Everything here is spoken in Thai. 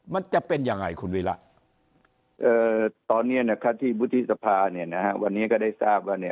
มันจะเป็นยังไงคุณวิระตอนนี้ที่วุฒิสภาวันนี้ก็ได้ทราบว่า